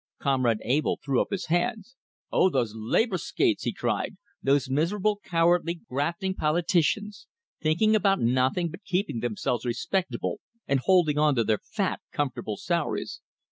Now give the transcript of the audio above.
Comrade Abell threw up his hands. "Oh, those labor skates!" he cried. "Those miserable, cowardly, grafting politicians! Thinking about nothing but keeping themselves respectable, and holding on to their fat, comfortable salaries!"